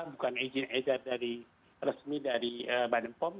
bukan e gin ader resmi dari bandung pom